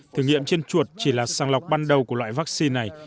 thử nghiệm trên chuột chỉ là sàng lọc ban đầu của loại vaccine này